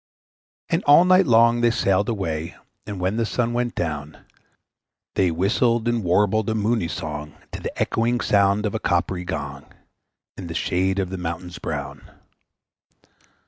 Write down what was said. And all night long they sailed away; And when the sun went down, They whistled and warbled a moony song To the echoing sound of a coppery gong, In the shade of the mountains brown.